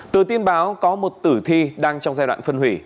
từ tin báo có một tử thi đang trong giai đoạn phân hủy